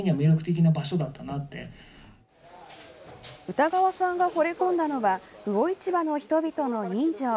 歌川さんがほれ込んだのは魚市場の人々の人情。